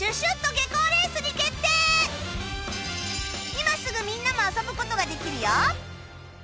今すぐみんなも遊ぶ事ができるよ